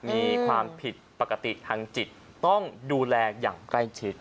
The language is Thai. มีความผิดปกติทางจิตต้องดูแลอย่างใกล้ชิด